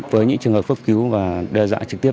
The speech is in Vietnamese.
với những trường hợp cấp cứu và đe dọa trực tiếp